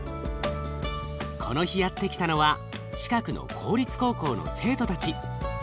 この日やって来たのは近くの公立高校の生徒たち。